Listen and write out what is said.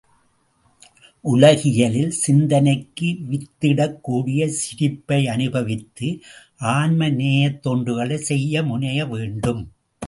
உலகியலில் சிந்தனைக்கு வித்திடக்கூடிய சிரிப்பை அனுபவித்து ஆன்ம நேயத் தொண்டுகளைச் செய்ய முனைய வேண்டும்.